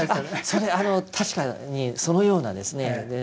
それあの確かにそのようなですね